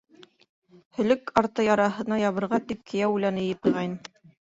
Һөлөк арты яраһына ябырға тип кейәү үләне йыйып ҡуйғайным.